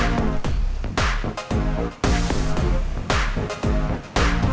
ntar louder sih satu